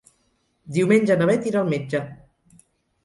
Diumenge na Bet irà al metge.